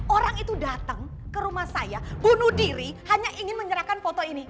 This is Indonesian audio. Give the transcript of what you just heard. orang itu datang ke rumah saya bunuh diri hanya ingin menyerahkan foto ini